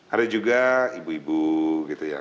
ada juga ibu ibu gitu ya